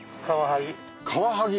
カワハギ。